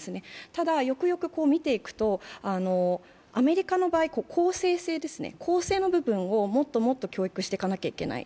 ただ、よくよく見ていくと、アメリカの場合、公正性の部分をもっともっと教育していかなければいけない。